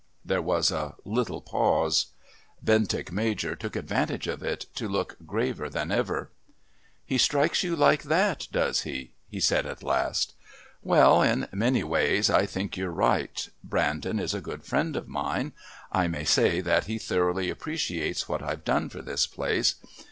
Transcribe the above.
There was a little pause. Bentinck Major took advantage of it to look graver than ever. "He strikes you like that, does he?" he said at last. "Well, in many ways I think you're right. Brandon is a good friend of mine I may say that he thoroughly appreciates what I've done for this place.